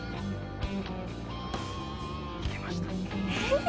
いきました。